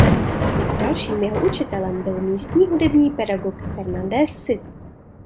Dalším jeho učitelem byl místní hudební pedagog Fernández Cid.